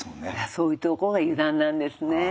そういうとこが油断なんですね。